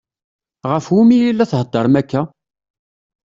Ɣef umi i la theddṛem akka?